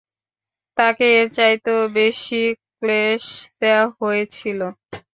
তাকে এর চাইতেও বেশি ক্লেশ দেয়া হয়েছিল।